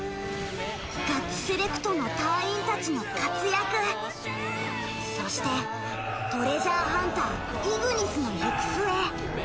ＧＵＴＳ−ＳＥＬＥＣＴの隊員たちの活躍そしてトレジャーハンターイグニスの行く末。